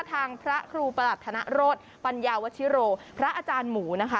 ทางพระครูประหลัดธนโรธปัญญาวชิโรพระอาจารย์หมูนะคะ